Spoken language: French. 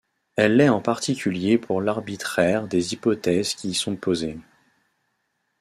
Elle l'est en particulier pour l'arbitraire des hypothèses qui y sont posées.